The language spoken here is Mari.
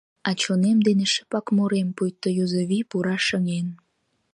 А чонем дене шыпак мурем, Пуйто юзо вий пура шыҥен.